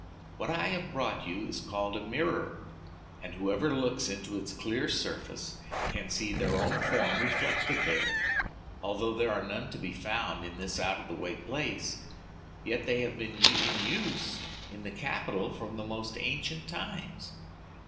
What I have brought you is called a mirror, and whoever looks into its clear surface can see their own form reflected there. Although there are none to be found in this out of the way place, yet they have been in use in the capital from the most ancient times.